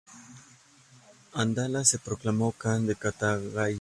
Abdalá se proclamó Kan de Chagatai.